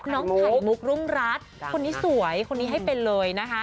ไข่มุกรุ่งรัฐคนนี้สวยคนนี้ให้เป็นเลยนะคะ